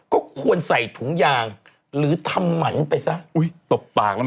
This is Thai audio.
ก็ควรใส่ถุงยางหรือทำหมันไปซะอุ้ยตบปากแล้วนะ